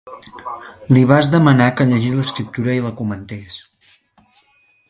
Li vas demanar que llegís l'Escriptura i la comentés.